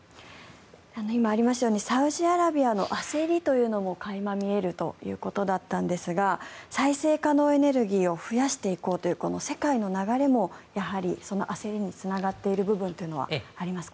今ありましたようにサウジアラビアの焦りというのも垣間見えるということだったんですが再生可能エネルギーを増やしていこうという世界の流れもやはりその焦りにつながっている部分はありますか？